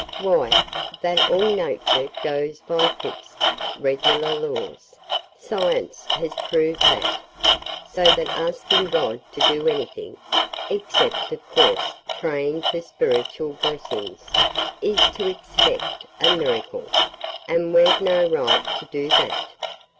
"Why, that all Nature goes by fixed, regular laws Science has proved that. So that asking God to do anything (except of course praying for spiritual blessings) is to expect a miracle: and we've no right to do that.